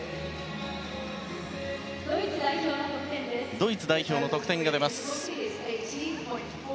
ドイツ代表の得点が出ました。